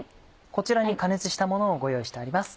こちらに加熱したものをご用意してあります。